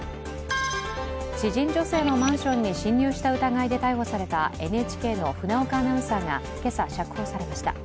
知人女性のマンションに侵入した疑いで逮捕された逮捕されたＮＨＫの船岡アナウンサーが今朝、釈放されました。